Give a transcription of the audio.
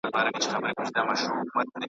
د مزهب بنیاد پرستو٬ د انسان خونریزي بند کړﺉ